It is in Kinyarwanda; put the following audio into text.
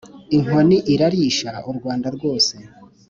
inkoni irarisha u rwanda rwose